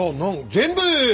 全部！